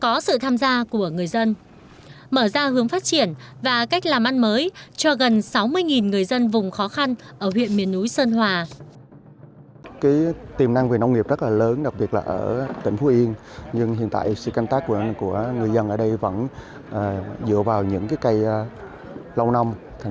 có sự tham gia của người dân mở ra hướng phát triển và cách làm ăn mới cho gần sáu mươi người dân vùng khó khăn ở huyện mình núi sơn hòa